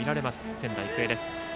仙台育英です。